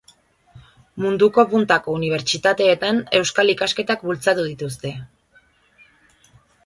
Munduko puntako unibertsitateetan euskal ikasketak bultzatu dituzte.